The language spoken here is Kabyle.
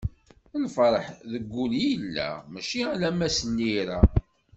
Lferḥ deg wul i yella, mačči alamma s llira.